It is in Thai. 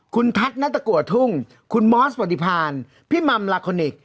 คุณทัศน์นัตตะกัวทุ่งคุณมอสปฏิพาณพี่มัมลาคอนิกส์